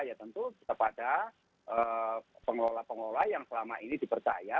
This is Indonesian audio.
ya tentu kepada pengelola pengelola yang selama ini dipercaya